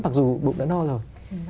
mặc dù bụng đã no rồi